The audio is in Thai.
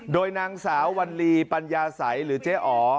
โดยนางสาววัลลีปัญญาสัยหรือเจ๊อ๋อ